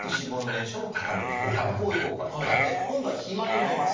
今度は肥満になります。